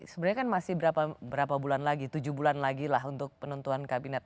sebenarnya kan masih berapa bulan lagi tujuh bulan lagi lah untuk penentuan kabinet